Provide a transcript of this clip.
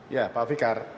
ya pak fikar